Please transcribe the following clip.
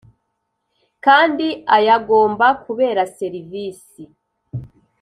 Kandi ayagomba kubera serivisi